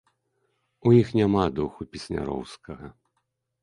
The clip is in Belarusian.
У іх няма духу песняроўскага.